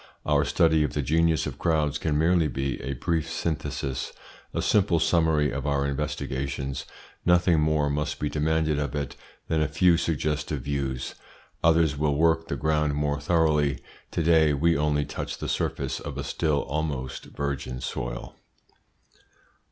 Our study of the genius of crowds can merely be a brief synthesis, a simple summary of our investigations. Nothing more must be demanded of it than a few suggestive views. Others will work the ground more thoroughly. To day we only touch the surface of a still almost virgin soil.